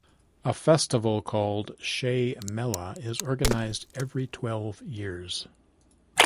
A festival called "Shey Mela" is organized every twelve years.